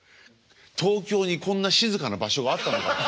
東京にこんな静かな場所があったのか。